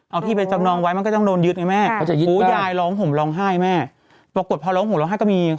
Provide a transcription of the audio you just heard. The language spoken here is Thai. เอาที่ไปจำนองไว้ก็ต้องโดนยึดไหม